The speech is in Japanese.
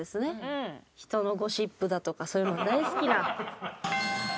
人のゴシップだとかそういうのが大好きな。